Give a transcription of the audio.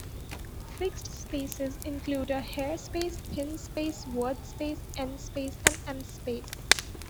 Fixed spaces include a hair space, thin space, wordspace, en-space, and em-space.